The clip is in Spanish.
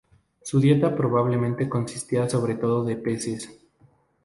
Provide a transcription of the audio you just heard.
Su dieta probablemente consistía sobre todo de peces.